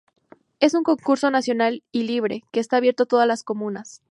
Es un concurso nacional y libre, que está abierto a todas las comunas.